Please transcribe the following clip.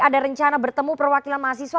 ada rencana bertemu perwakilan mahasiswa